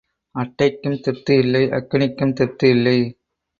அட்டைக்கும் திருப்தி இல்லை அக்கினிக்கும் திருப்தி இல்லை.